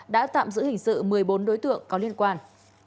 đã tạm giữ hình sự một mươi bốn đối tượng có liên quan